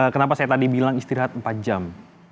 kenapa saya tadi bilang istirahat empat jam